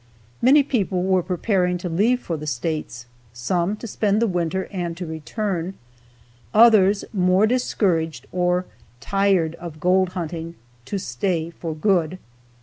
Many people were preparing to leave for the States, some to spend the winter and to return, others, more discouraged or tired of gold hunting, to stay for good.